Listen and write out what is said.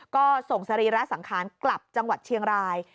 ก็ส่งสรีระสังขารกลับจังหวัดเชียงราย